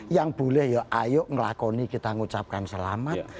yang boleh ya ayo melakoni kita mengucapkan selamat